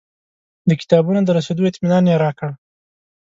د کتابونو د رسېدو اطمنان یې راکړ.